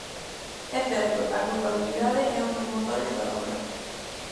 É certo, a culpabilidade é un dos motores da obra.